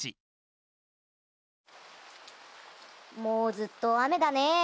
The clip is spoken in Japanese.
もうずっとあめだね。